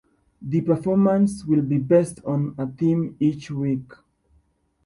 The performance will be based on a theme each week.